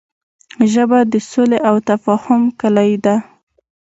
ژبه د سولې او تفاهم کلۍ ده